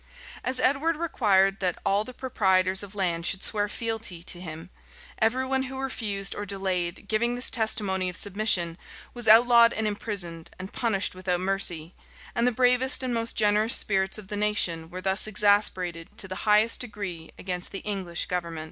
As Edward required that all the proprietors of land should swear fealty to him, every one who refused or delayed giving this testimony of submission, was outlawed and imprisoned, and punished without mercy; and the bravest and most generous spirits of the nation were thus exasperated to the highest degree against the English government.